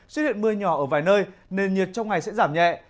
xuất hiện mưa nhỏ ở vài nơi nền nhiệt trong ngày sẽ giảm nhẹ